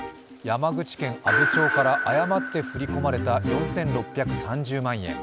山口県阿武町から誤って振り込まれた４６３０万円。